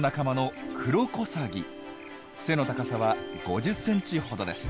背の高さは５０センチほどです。